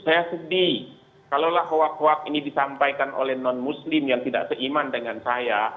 saya sedih kalaulah hoak huak ini disampaikan oleh non muslim yang tidak seiman dengan saya